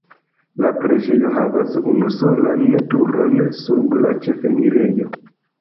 La preĝejo havas unusolan turon sub la ĉefenirejo.